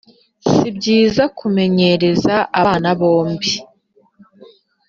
Sibyiza kumenyereza abana bombo